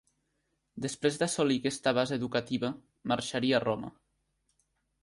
Després d'assolir aquesta base educativa, marxaria a Roma.